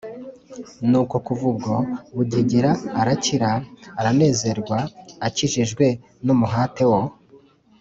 Nuko kuva ubwo Bugegera arakira aranezerwa akijijwe n’umuhate wo